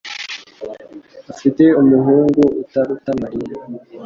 afite umuhungu utaruta Mariya.